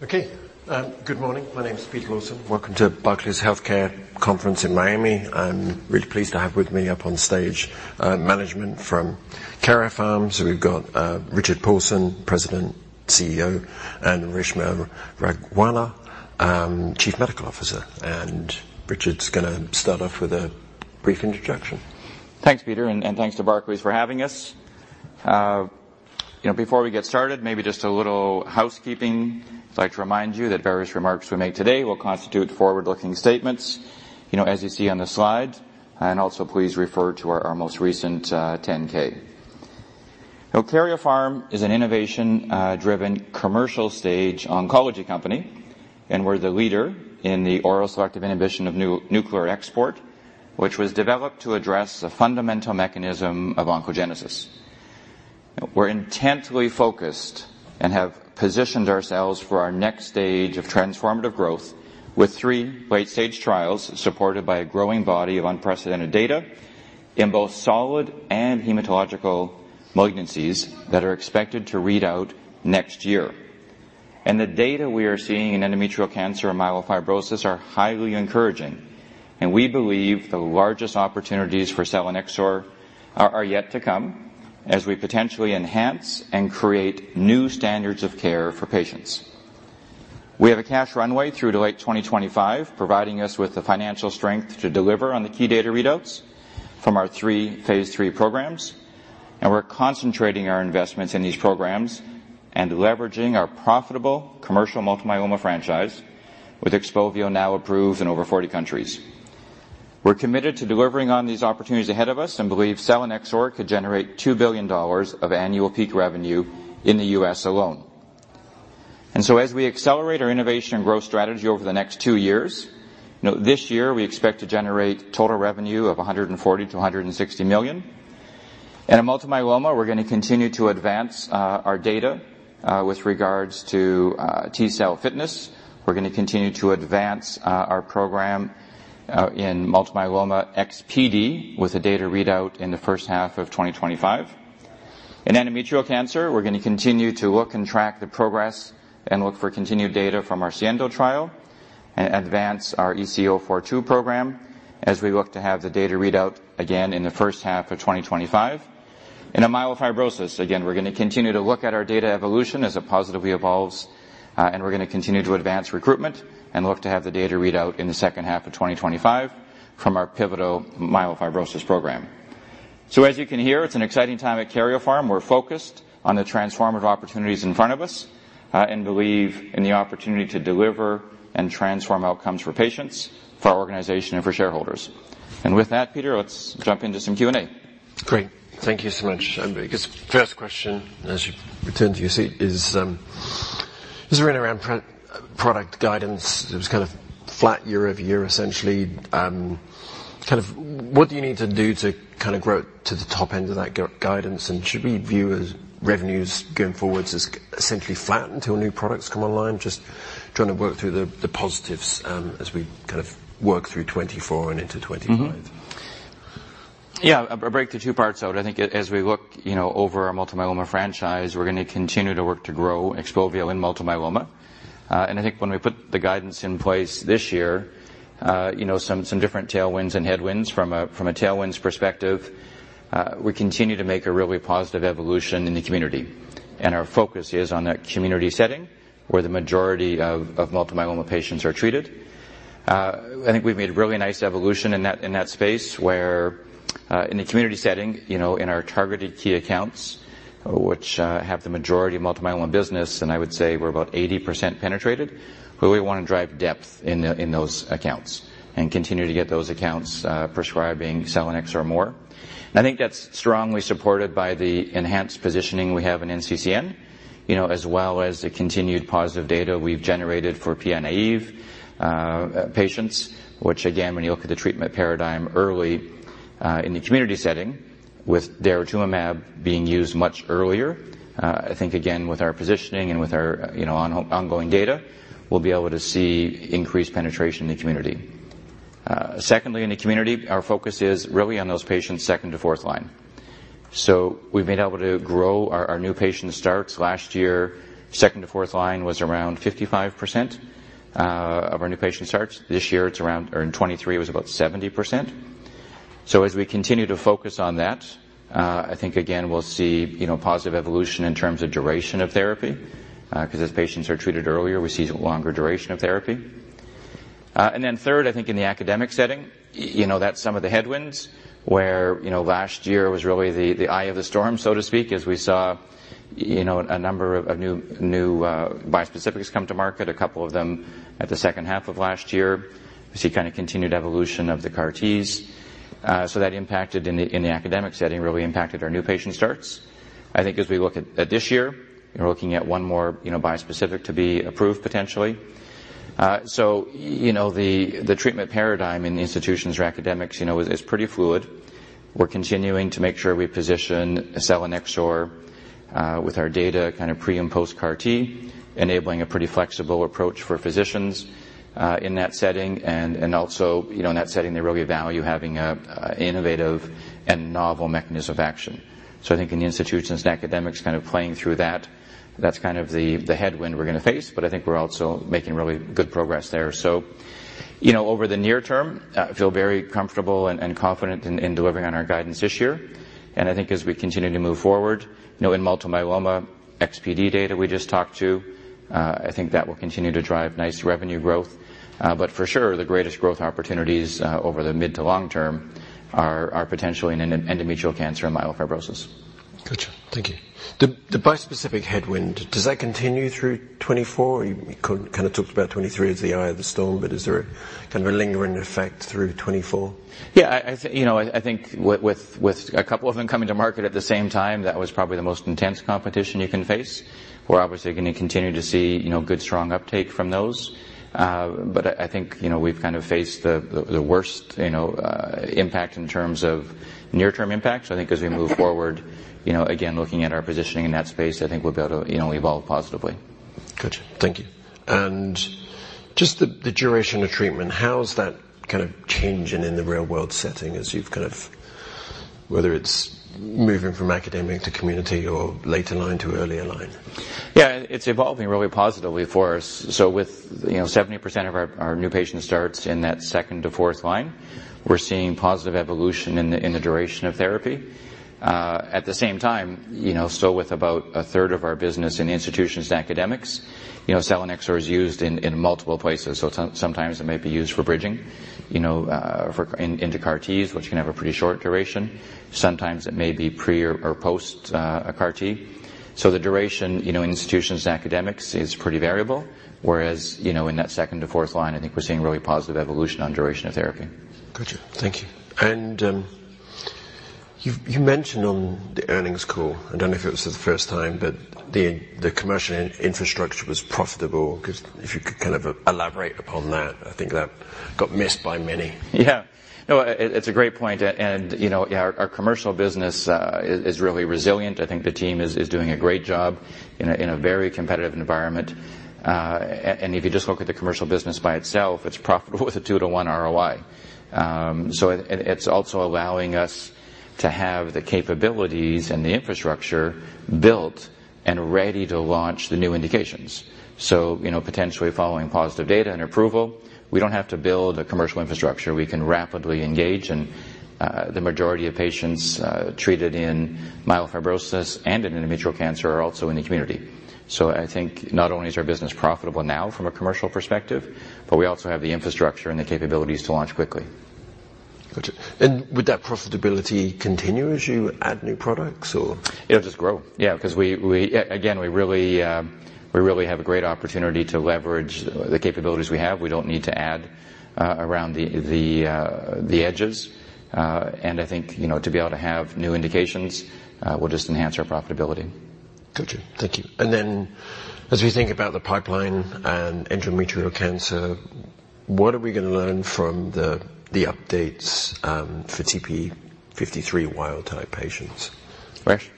Okay, good morning. My name is Peter Lawson. Welcome to Barclays Healthcare Conference in Miami. I'm really pleased to have with me up on stage, management from Karyopharm. So we've got, Richard Paulson, President, CEO, and Reshma Rangwala, Chief Medical Officer. And Richard's gonna start off with a brief introduction. Thanks, Peter, and thanks to Barclays for having us. You know, before we get started, maybe just a little housekeeping. I'd like to remind you that various remarks we make today will constitute forward-looking statements, you know, as you see on the slide, and also please refer to our most recent 10-K. Karyopharm is an innovation-driven commercial-stage oncology company, and we're the leader in the oral selective inhibition of nuclear export, which was developed to address the fundamental mechanism of oncogenesis. We're intently focused and have positioned ourselves for our next stage of transformative growth, with three late-stage trials supported by a growing body of unprecedented data in both solid and hematological malignancies that are expected to read out next year. The data we are seeing in endometrial cancer and myelofibrosis are highly encouraging, and we believe the largest opportunities for selinexor are yet to come, as we potentially enhance and create new standards of care for patients. We have a cash runway through to late 2025, providing us with the financial strength to deliver on the key data readouts from our three phase III programs. And we're concentrating our investments in these programs and leveraging our profitable commercial multiple myeloma franchise, with XPOVIO now approved in over 40 countries. We're committed to delivering on these opportunities ahead of us and believe selinexor could generate $2 billion of annual peak revenue in the U.S. alone. So as we accelerate our innovation and growth strategy over the next two years, you know, this year, we expect to generate total revenue of $140 million-$160 million. And in multiple myeloma, we're gonna continue to advance our data with regards to T-cell fitness. We're gonna continue to advance our program in multiple myeloma SPd, with a data readout in the first half of 2025. In endometrial cancer, we're gonna continue to look and track the progress and look for continued data from our SIENDO trial, advance our ECO42 program, as we look to have the data readout again in the first half of 2025. In a myelofibrosis, again, we're gonna continue to look at our data evolution as it positively evolves, and we're gonna continue to advance recruitment and look to have the data readout in the second half of 2025 from our pivotal myelofibrosis program. So as you can hear, it's an exciting time at Karyopharm. We're focused on the transformative opportunities in front of us, and believe in the opportunity to deliver and transform outcomes for patients, for our organization, and for shareholders. And with that, Peter, let's jump into some Q&A. Great. Thank you so much. I guess first question, as you return to your seat, is just running around product guidance. It was kind of flat year-over-year, essentially. Kind of, what do you need to do to kind of grow to the top end of that guidance, and should we view as revenues going forward as essentially flat until new products come online? Just trying to work through the positives, as we kind of work through 2024 and into 2025. Mm-hmm. Yeah, I'll break the two parts out. I think as we look, you know, over our multiple myeloma franchise, we're gonna continue to work to grow XPOVIO in multiple myeloma. And I think when we put the guidance in place this year, you know, some different tailwinds and headwinds from a tailwinds perspective, we continue to make a really positive evolution in the community, and our focus is on that community setting, where the majority of multiple myeloma patients are treated. I think we've made a really nice evolution in that space, where in the community setting, you know, in our targeted key accounts, which have the majority of multiple myeloma business, and I would say we're about 80% penetrated, but we want to drive depth in those accounts and continue to get those accounts prescribing selinexor more. I think that's strongly supported by the enhanced positioning we have in NCCN, you know, as well as the continued positive data we've generated for PI-naive patients, which again, when you look at the treatment paradigm early in the community setting, with daratumumab being used much earlier, I think, again, with our positioning and with our, you know, ongoing data, we'll be able to see increased penetration in the community. Secondly, in the community, our focus is really on those patients second to fourth line. So we've been able to grow our, our new patient starts. Last year, second to fourth line was around 55% of our new patient starts. This year, it's around... Or in 2023, it was about 70%. So as we continue to focus on that, I think again, we'll see, you know, positive evolution in terms of duration of therapy, 'cause as patients are treated earlier, we see longer duration of therapy. And then third, I think in the academic setting, you know, that's some of the headwinds where, you know, last year was really the eye of the storm, so to speak, as we saw, you know, a number of new bispecifics come to market, a couple of them at the second half of last year. We see kinda continued evolution of the CAR-Ts. So that impacted the academic setting, really impacted our new patient starts. I think as we look at this year, we're looking at one more, you know, bispecific to be approved, potentially. So, you know, the treatment paradigm in the institutions or academics, you know, is pretty fluid.... We're continuing to make sure we position selinexor with our data kind of pre and post-CAR T, enabling a pretty flexible approach for physicians in that setting. And also, you know, in that setting, they really value having an innovative and novel mechanism of action. So I think in the institutions and academics kind of playing through that, that's kind of the headwind we're gonna face, but I think we're also making really good progress there. So, you know, over the near term, I feel very comfortable and confident in delivering on our guidance this year. And I think as we continue to move forward, you know, in multiple myeloma, XPO data we just talked to, I think that will continue to drive nice revenue growth. But for sure, the greatest growth opportunities over the mid to long term are potentially in endometrial cancer and myelofibrosis. Gotcha. Thank you. The bispecific headwind, does that continue through 2024? You kind of talked about 2023 as the eye of the storm, but is there a kind of a lingering effect through 2024? Yeah, I think with a couple of them coming to market at the same time, that was probably the most intense competition you can face. We're obviously gonna continue to see, you know, good, strong uptake from those. But I think, you know, we've kind of faced the worst, you know, impact in terms of near-term impacts. I think as we move forward, you know, again, looking at our positioning in that space, I think we'll be able to, you know, evolve positively. Gotcha. Thank you. And just the duration of treatment, how is that kind of changing in the real-world setting as you've kind of... whether it's moving from academic to community or later line to earlier line? Yeah. It's evolving really positively for us. So with, you know, 70% of our, our new patient starts in that second to fourth line, we're seeing positive evolution in the, in the duration of therapy. At the same time, you know, still with about a third of our business in institutions and academics, you know, selinexor is used in, in multiple places. So sometimes it may be used for bridging, you know, for, in, into CAR Ts, which can have a pretty short duration. Sometimes it may be pre or, or post, a CAR T. So the duration, you know, in institutions and academics is pretty variable, whereas, you know, in that second to fourth line, I think we're seeing really positive evolution on duration of therapy. Gotcha. Thank you. And you mentioned on the earnings call, I don't know if it was the first time, but the commercial infrastructure was profitable. Just if you could kind of elaborate upon that. I think that got missed by many. Yeah. No, it's a great point, and, you know, our commercial business is really resilient. I think the team is doing a great job in a very competitive environment. And if you just look at the commercial business by itself, it's profitable with a 2-to-1 ROI. So it's also allowing us to have the capabilities and the infrastructure built and ready to launch the new indications. So, you know, potentially following positive data and approval, we don't have to build a commercial infrastructure. We can rapidly engage, and the majority of patients treated in myelofibrosis and in endometrial cancer are also in the community. So I think not only is our business profitable now from a commercial perspective, but we also have the infrastructure and the capabilities to launch quickly. Gotcha. And would that profitability continue as you add new products or? It'll just grow. Yeah, 'cause again we really, we really have a great opportunity to leverage the capabilities we have. We don't need to add around the edges. And I think, you know, to be able to have new indications will just enhance our profitability. Gotcha. Thank you. And then, as we think about the pipeline and endometrial cancer, what are we gonna learn from the updates for p53 wild-type patients? Reshma?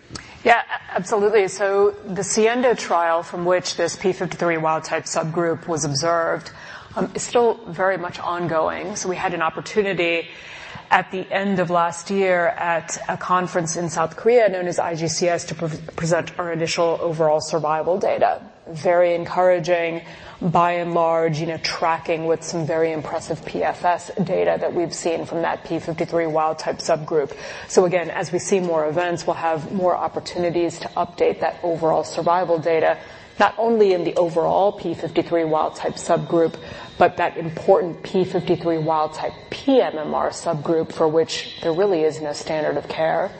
Yeah, absolutely. So the SIENDO trial, from which this p53 wild-type subgroup was observed, is still very much ongoing. So we had an opportunity at the end of last year at a conference in South Korea, known as IGCS, to present our initial overall survival data. Very encouraging, by and large, you know, tracking with some very impressive PFS data that we've seen from that p53 wild-type subgroup. So again, as we see more events, we'll have more opportunities to update that overall survival data, not only in the overall p53 wild-type subgroup, but that important p53 wild-type pMMR subgroup, for which there really is no standard of care.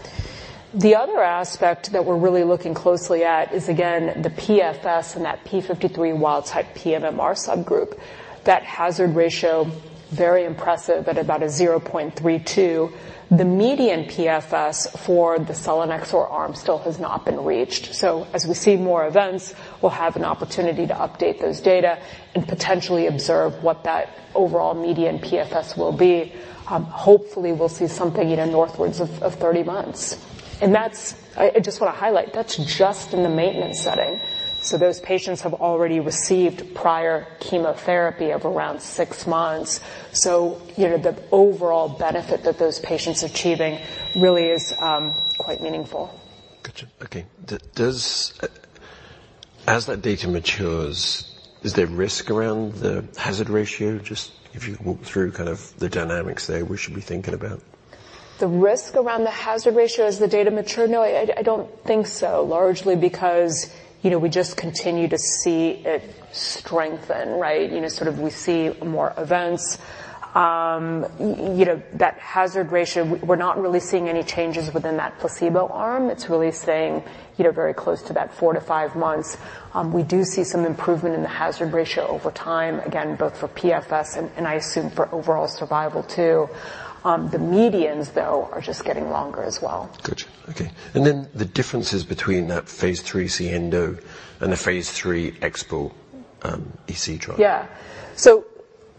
The other aspect that we're really looking closely at is, again, the PFS in that p53 wild-type pMMR subgroup. That hazard ratio, very impressive, at about 0.32. The median PFS for the selinexor arm still has not been reached. So as we see more events, we'll have an opportunity to update those data and potentially observe what that overall median PFS will be. Hopefully, we'll see something, you know, northwards of 30 months. And that's... I just wanna highlight, that's just in the maintenance setting, so those patients have already received prior chemotherapy of around six months. So, you know, the overall benefit that those patients are achieving really is quite meaningful. Gotcha. Okay. As that data matures, is there risk around the hazard ratio? Just if you could walk through kind of the dynamics there, we should be thinking about. The risk around the hazard ratio as the data mature? No, I don't think so, largely because, you know, we just continue to see it strengthen, right? You know, sort of we see more events. You know, that hazard ratio, we're not really seeing any changes within that placebo arm. It's really staying, you know, very close to that four to five months. We do see some improvement in the hazard ratio over time, again, both for PFS and I assume for overall survival too. The medians, though, are just getting longer as well. Gotcha. Okay, and then the differences between that phase III SIENDO and the phase III XPORT-EC-042. Yeah. So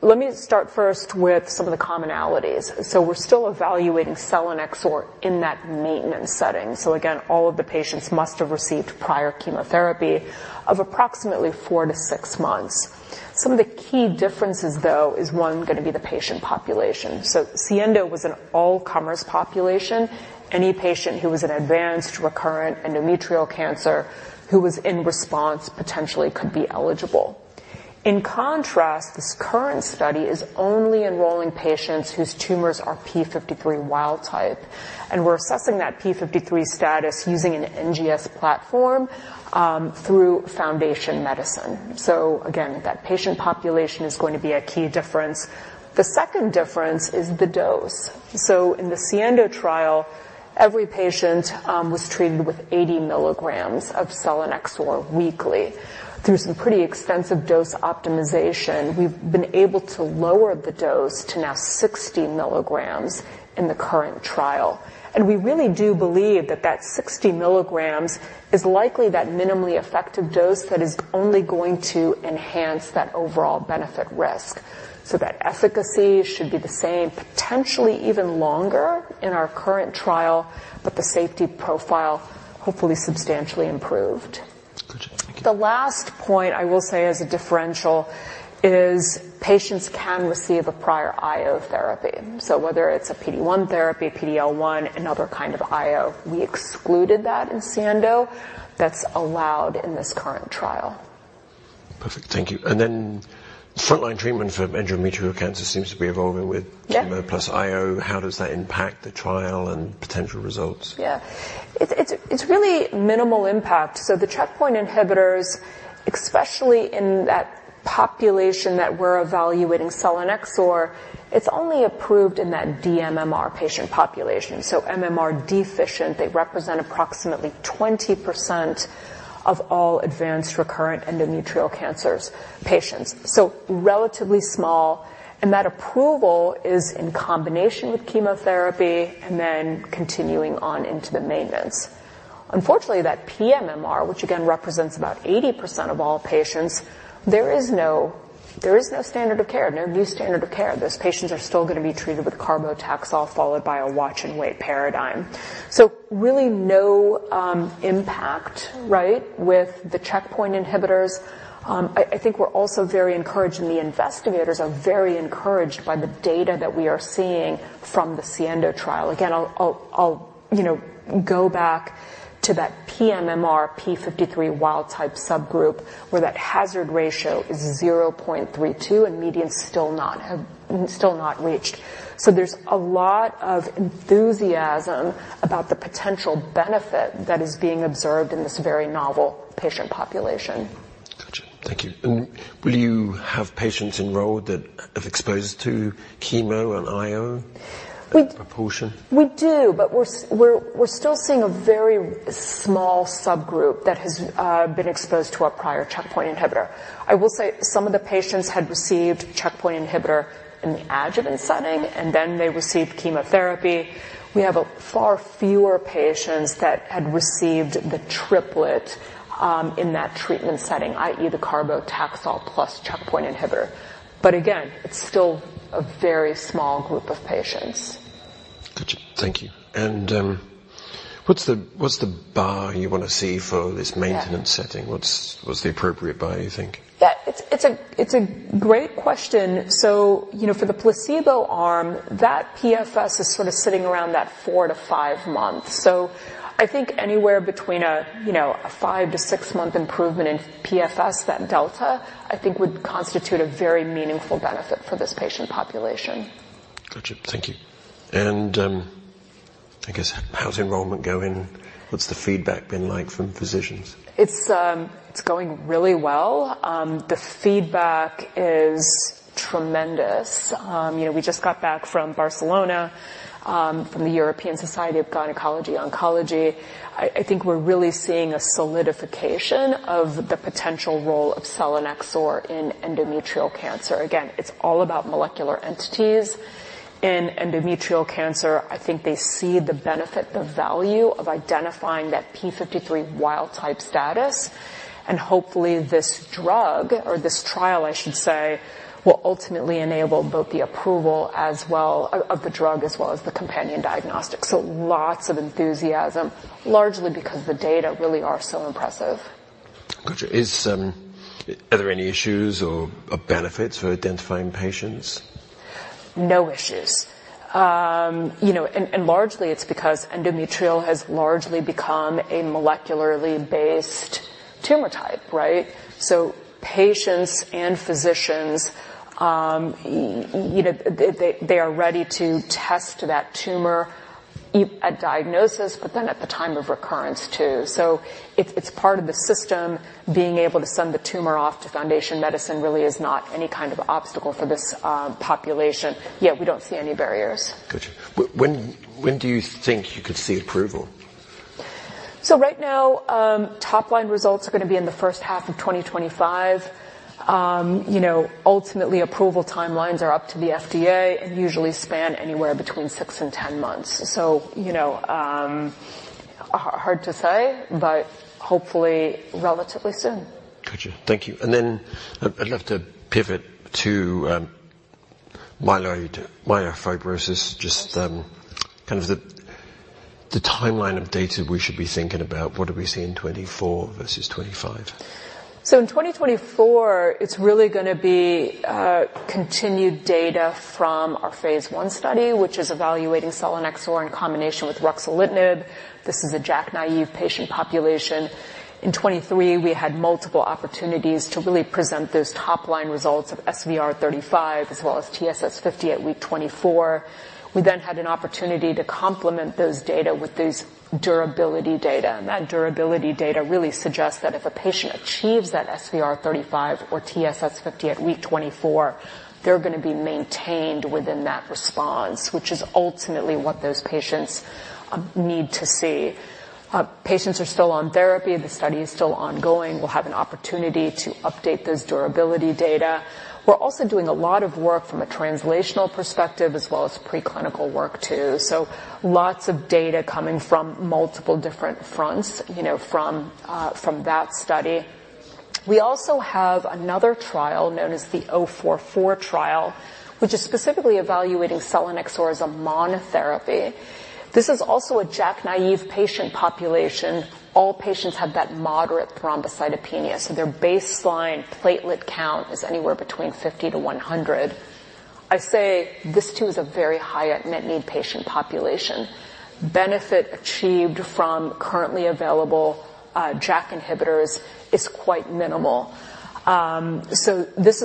let me start first with some of the commonalities. So we're still evaluating selinexor in that maintenance setting. So again, all of the patients must have received prior chemotherapy of approximately four to six months. Some of the key differences, though, is one, gonna be the patient population. So SIENDO was an all-comers population. Any patient who was an advanced, recurrent endometrial cancer, who was in response, potentially could be eligible. In contrast, this current study is only enrolling patients whose tumors are p53 wild type, and we're assessing that p53 status using an NGS platform through Foundation Medicine. So again, that patient population is going to be a key difference. The second difference is the dose. So in the SIENDO trial, every patient was treated with 80 mg of selinexor weekly. Through some pretty extensive dose optimization, we've been able to lower the dose to now 60 mg in the current trial. We really do believe that that 60 mg is likely that minimally effective dose that is only going to enhance that overall benefit risk. That efficacy should be the same, potentially even longer in our current trial, but the safety profile, hopefully substantially improved. Gotcha. The last point I will say as a differential is, patients can receive a prior IO therapy. So whether it's a PD-1 therapy, PD-L1, another kind of IO, we excluded that in SIENDO. That's allowed in this current trial. Perfect. Thank you. And then frontline treatment for endometrial cancer seems to be evolving with- Yeah Chemo plus IO. How does that impact the trial and potential results? Yeah. It's really minimal impact. So the checkpoint inhibitors, especially in that population that we're evaluating selinexor, it's only approved in that dMMR patient population. So MMR deficient, they represent approximately 20% of all advanced recurrent endometrial cancers patients, so relatively small, and that approval is in combination with chemotherapy and then continuing on into the maintenance. Unfortunately, that pMMR, which again represents about 80% of all patients, there is no, there is no standard of care, no new standard of care. Those patients are still gonna be treated with carboplatin, followed by a watch-and-wait paradigm. So really no, impact, right, with the checkpoint inhibitors. I think we're also very encouraged, and the investigators are very encouraged by the data that we are seeing from the SIENDO trial. Again, I'll you know, go back to that pMMR p53 wild-type subgroup, where that hazard ratio is 0.32 and median is still not reached. So there's a lot of enthusiasm about the potential benefit that is being observed in this very novel patient population. Gotcha. Thank you. Will you have patients enrolled that have exposed to chemo and IO? We- Proportion. We do, but we're still seeing a very small subgroup that has been exposed to a prior checkpoint inhibitor. I will say some of the patients had received checkpoint inhibitor in the adjuvant setting, and then they received chemotherapy. We have a far fewer patients that had received the triplet in that treatment setting, i.e., the carboplatin plus checkpoint inhibitor. But again, it's still a very small group of patients. Gotcha. Thank you. And, what's the bar you wanna see for this- Yeah Maintenance setting? What's, what's the appropriate bar, you think? Yeah, it's a great question. So, you know, for the placebo arm, that PFS is sort of sitting around that four to five months. So I think anywhere between a, you know, a five- to six-month improvement in PFS, that delta, I think, would constitute a very meaningful benefit for this patient population. Gotcha. Thank you. And, I guess, how's enrollment going? What's the feedback been like from physicians? It's going really well. The feedback is tremendous. You know, we just got back from Barcelona, from the European Society of Gynecology Oncology. I think we're really seeing a solidification of the potential role of selinexor in endometrial cancer. Again, it's all about molecular entities. In endometrial cancer, I think they see the benefit, the value of identifying that p53 wild-type status, and hopefully, this drug, or this trial, I should say, will ultimately enable both the approval as well of the drug, as well as the companion diagnostic. So lots of enthusiasm, largely because the data really are so impressive. Gotcha. Are there any issues or benefits for identifying patients? No issues. You know, and largely it's because endometrial has largely become a molecularly based tumor type, right? So patients and physicians, you know, they are ready to test that tumor, if at diagnosis, but then at the time of recurrence, too. So it's part of the system. Being able to send the tumor off to Foundation Medicine really is not any kind of obstacle for this population. Yeah, we don't see any barriers. Gotcha. When do you think you could see approval? So right now, top-line results are gonna be in the first half of 2025. You know, ultimately, approval timelines are up to the FDA and usually span anywhere between six and 10 months. So, you know, hard to say, but hopefully relatively soon. Gotcha. Thank you. And then I'd love to pivot to myeloid, myelofibrosis, just kind of the timeline of data we should be thinking about. What do we see in 2024 versus 2025? In 2024, it's really gonna be continued data from our phase I study, which is evaluating selinexor in combination with ruxolitinib. This is a JAK-naïve patient population. In 2023, we had multiple opportunities to really present those top-line results of SVR35 as well as TSS50 at week 24. We then had an opportunity to complement those data with those durability data, and that durability data really suggests that if a patient achieves that SVR35 or TSS50 at week 24, they're gonna be maintained within that response, which is ultimately what those patients need to see. Patients are still on therapy, the study is still ongoing. We'll have an opportunity to update those durability data. We're also doing a lot of work from a translational perspective, as well as preclinical work, too. So lots of data coming from multiple different fronts, you know, from that study. We also have another trial known as the O44 trial, which is specifically evaluating selinexor as a monotherapy. This is also a JAK-naïve patient population. All patients have that moderate thrombocytopenia, so their baseline platelet count is anywhere between 50-100. I'd say this, too, is a very high unmet need patient population. Benefit achieved from currently available JAK inhibitors is quite minimal. So this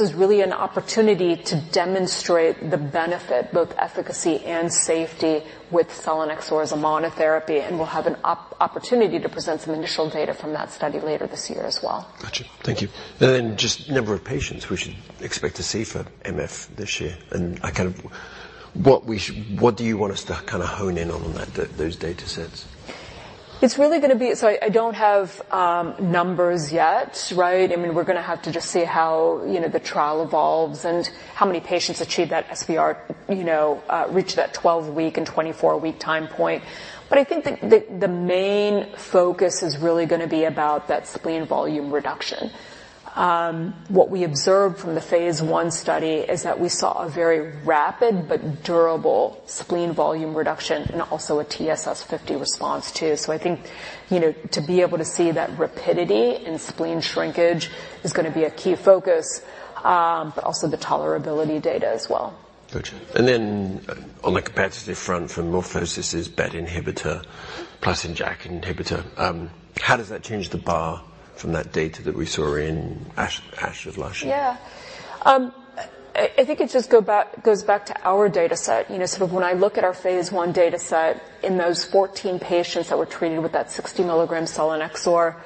is really an opportunity to demonstrate the benefit, both efficacy and safety, with selinexor as a monotherapy, and we'll have an opportunity to present some initial data from that study later this year as well. Gotcha. Thank you. And then just number of patients we should expect to see for MF this year, and kind of what do you want us to kind of hone in on that, those datasets? It's really gonna be... So I, I don't have numbers yet, right? I mean, we're gonna have to just see how, you know, the trial evolves and how many patients achieve that SVR, you know, reach that 12-week and 24-week time point. But I think the main focus is really gonna be about that spleen volume reduction. What we observed from the phase I study is that we saw a very rapid but durable spleen volume reduction and also a TSS50 response, too. So I think, you know, to be able to see that rapidity in spleen shrinkage is gonna be a key focus, but also the tolerability data as well. Gotcha. And then on the competitive front for MorphoSys BET inhibitor plus JAK inhibitor, how does that change the bar from that data that we saw in ASH last year? Yeah. I think it just goes back to our data set. You know, sort of when I look at our phase I data set in those 14 patients that were treated with that 60 mg selinexor,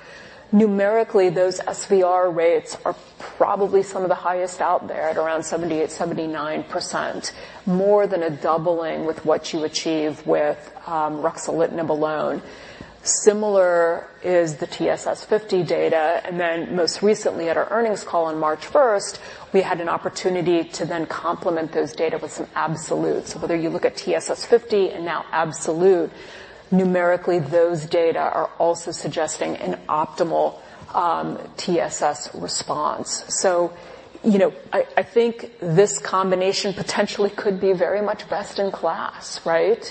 numerically, those SVR rates are probably some of the highest out there at around 78%-79%. More than a doubling with what you achieve with ruxolitinib alone. Similar is the TSS50 data, and then most recently at our earnings call on March 1st, we had an opportunity to then complement those data with some absolutes. Whether you look at TSS50 and now absolute, numerically, those data are also suggesting an optimal TSS response. So, you know, I think this combination potentially could be very much best in class, right?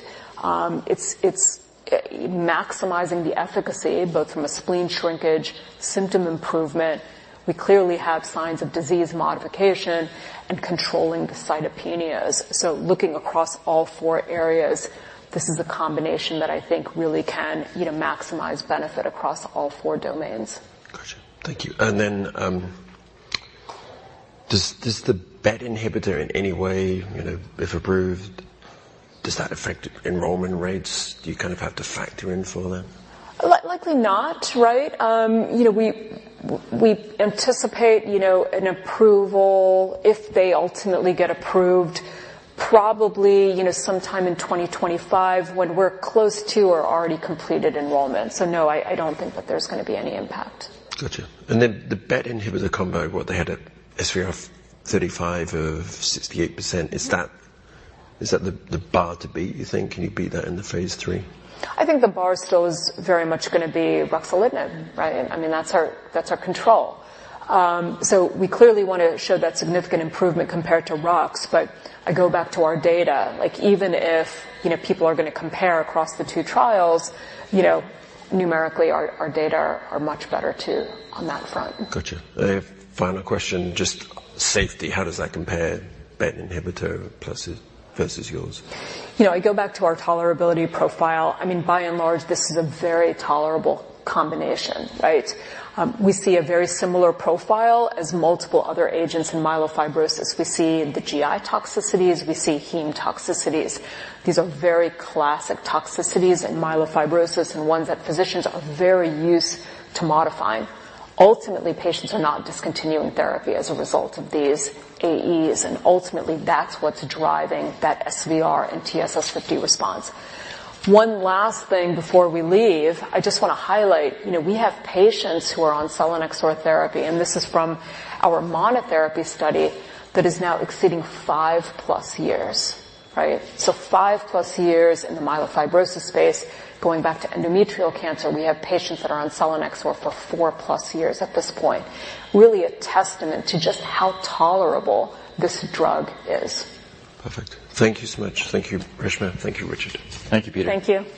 It's maximizing the efficacy, both from a spleen shrinkage, symptom improvement. We clearly have signs of disease modification and controlling the cytopenias. So looking across all four areas, this is a combination that I think really can, you know, maximize benefit across all four domains. Gotcha. Thank you. And then, does the BET inhibitor in any way, you know, if approved, does that affect enrollment rates? Do you kind of have to factor in for that? Likely not, right? You know, we anticipate, you know, an approval, if they ultimately get approved, probably, you know, sometime in 2025 when we're close to or already completed enrollment. So no, I don't think that there's gonna be any impact. Gotcha. Then the BET inhibitor combo, what they had at SVR35 of 68%, is that the bar to beat, you think? Can you beat that in the phase 3? I think the bar is still very much gonna be ruxolitinib, right? I mean, that's our control. So we clearly wanna show that significant improvement compared to rux, but I go back to our data. Like, even if, you know, people are gonna compare across the two trials, you know, numerically, our data are much better, too, on that front. Gotcha. Final question, just safety, how does that compare, BET inhibitor pluses versus yours? You know, I go back to our tolerability profile. I mean, by and large, this is a very tolerable combination, right? We see a very similar profile as multiple other agents in myelofibrosis. We see the GI toxicities, we see heme toxicities. These are very classic toxicities in myelofibrosis and ones that physicians are very used to modifying. Ultimately, patients are not discontinuing therapy as a result of these AEs, and ultimately, that's what's driving that SVR and TSS50 response. One last thing before we leave, I just wanna highlight, you know, we have patients who are on selinexor therapy, and this is from our monotherapy study that is now exceeding five+ years, right? So five+ years in the myelofibrosis space. Going back to endometrial cancer, we have patients that are on selinexor for four+ years at this point. Really a testament to just how tolerable this drug is. Perfect. Thank you so much. Thank you, Reshma. Thank you, Richard. Thank you, Peter. Thank you.